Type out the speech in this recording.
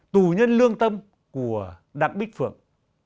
tù nhân lương tâm của đặng bích phượng